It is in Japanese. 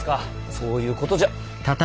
そういうことじゃ。